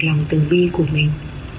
lòng từ vi của mình